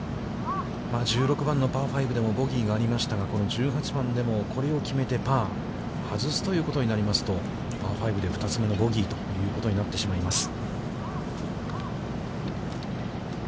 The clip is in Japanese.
１６番のパー５でもボギーがありましたが、この１８番でも、これを決めてパー、外すということになりますと、パー５で２つ目のボギーということになってしまいます。